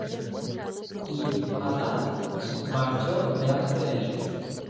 Y Hadad marchó delante de mí.